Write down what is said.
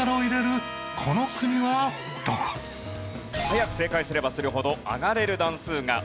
早く正解すればするほど上がれる段数が大きくなりますよ。